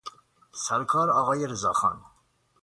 سرکارٍ آقای رضا خان